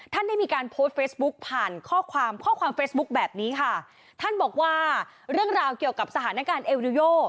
ท่านได้มีการโพสต์เฟซบุ๊กผ่านข้อความข้อความเฟซบุ๊คแบบนี้ค่ะท่านบอกว่าเรื่องราวเกี่ยวกับสถานการณ์เอลนิโย